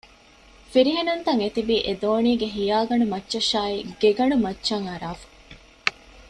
ފިރިހެނުންތައް އެތިބީ އެދޯނީގެ ހިޔާގަނޑު މައްޗަށާއި ގެގަނޑުމައްޗަށް އަރާފަ